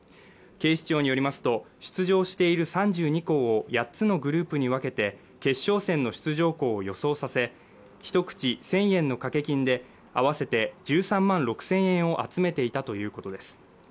警視庁によりますと出場している３２校を８つのグループに分けて決勝戦の出場校を予想させ一口１０００円の掛け金で合わせて１３万６０００円を集めていたということです